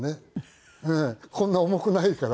こんな重くないから。